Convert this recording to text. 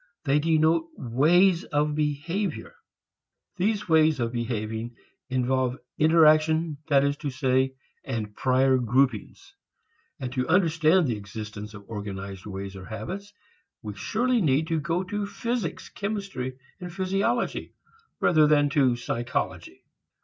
They denote ways of behavior. These ways of behaving involve interaction, that is to say, and prior groupings. And to understand the existence of organized ways or habits we surely need to go to physics, chemistry and physiology rather than to psychology.